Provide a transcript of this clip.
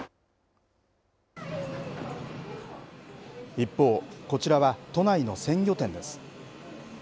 一方、こちらは都内の鮮魚店です。